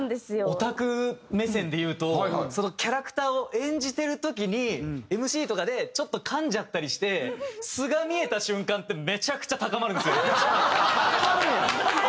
オタク目線で言うとそのキャラクターを演じてる時にＭＣとかでちょっとかんじゃったりして素が見えた瞬間って高まるんや！